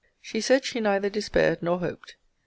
She said she neither despaired nor hoped.